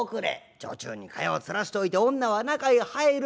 女中に蚊帳をつらしておいて女は中へ入る。